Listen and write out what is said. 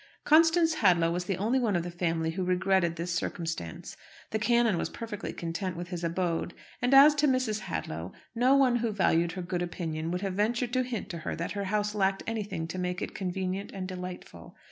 Constance Hadlow was the only one of the family who regretted this circumstance. The canon was perfectly content with his abode. And as to Mrs. Hadlow, no one who valued her good opinion would have ventured to hint to her that her house lacked anything to make it convenient and delightful.